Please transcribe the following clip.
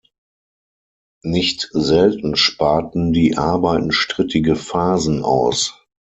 Nicht selten sparten die Arbeiten strittige Phasen aus.